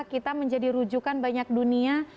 kita menjadi rujukan banyak dunia